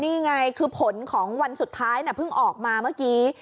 นี่ไงคือผลของวันสุดท้ายเพิ่งออกมาเมื่อกี้